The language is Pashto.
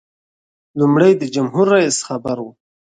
لومړی د جمهور رئیس خبر و.